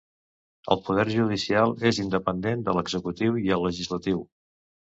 El poder judicial és independent de l'executiu i el legislatiu.